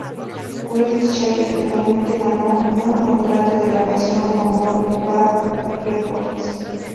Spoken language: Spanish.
Wild Cherry finalmente ganó un contrato de grabación con Brown Bag Records.